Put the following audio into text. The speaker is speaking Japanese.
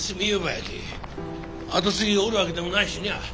やき後継ぎがおるわけでもないしにゃあ。